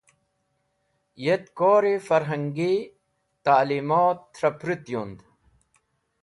Yet kor-e farhangi ta’limot trẽ pũrũt yund.